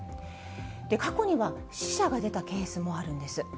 過去には死者が出たケースもあるんです。